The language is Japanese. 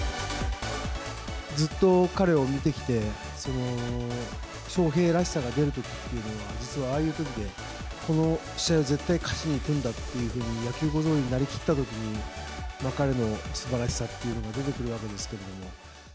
ずっと彼を見てきて、翔平らしさが出るときっていうのは、実はああいうときで、この試合は絶対勝ちにいくんだっていう野球小僧になりきったときに、彼のすばらしさというのが出てくるわけですけれども。